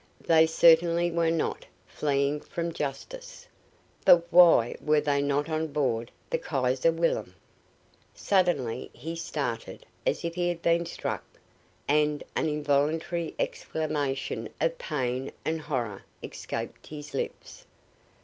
They certainly were not fleeing from justice. But why were they not on board the Kaiser Wilhelm? Suddenly he started as if he had been struck, and an involuntary exclamation of pain and horror escaped his lips.